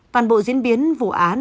văn bộ diễn biến vụ án